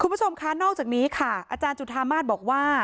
คุณผู้ชมคะนอกจากนี้ค่ะอาจารย์จุธามาศบอกว่า